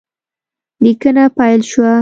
لیکنه پیل شوه